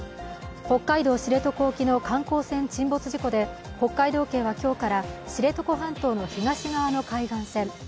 北海道知床沖の観光船沈没事故で北海道警は今日から知床半島の東側の海岸線